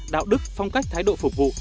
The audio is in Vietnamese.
đạo đức phong cách thái độ phục vụ